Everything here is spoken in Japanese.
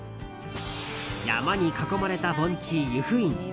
山に囲まれた盆地、由布院。